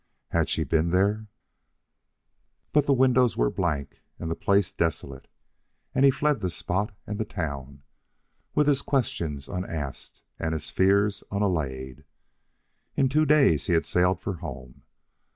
Had she been there But the windows were blank and the place desolate, and he fled the spot and the town, with his questions unasked and his fears unallayed. In two days he had sailed for home.